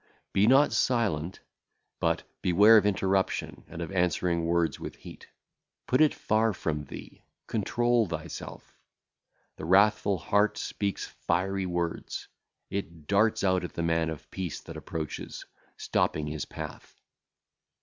Be not silent, but beware of interruption and of answering words with heat. Put it far from thee; control thyself. The wrathful heart speaketh fiery words; it darteth out at the man of peace that approacheth, stopping his path.